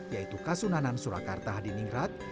yaitu kasunanan surakarta di ningrat